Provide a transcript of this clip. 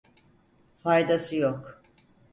Faydası yok.